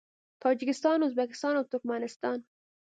تاجکستان، ازبکستان او ترکمنستان